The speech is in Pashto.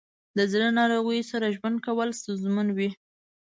د زړه ناروغیو سره ژوند کول ستونزمن وي.